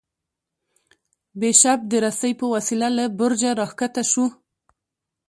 بیشپ د رسۍ په وسیله له برجه راکښته شو.